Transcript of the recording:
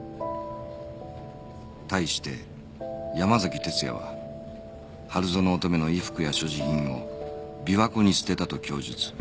対して山崎哲也は春薗乙女の衣服や所持品を琵琶湖に捨てたと供述